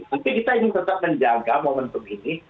tapi kita tetap menjaga momen momen begini